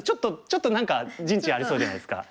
ちょっと何か陣地ありそうじゃないですか。